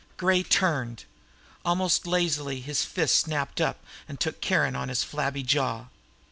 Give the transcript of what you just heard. Gray turned. Almost lazily, his fist snapped up and took Caron on his flabby jaw.